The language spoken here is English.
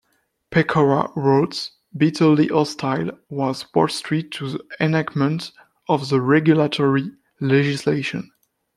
Pecora wrote: Bitterly hostile was Wall Street to the enactment of the regulatory legislation.